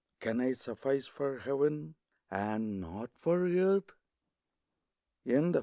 Can I suffice for Heaven, and not for earth ?